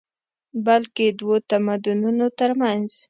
بلکې دوو تمدنونو تر منځ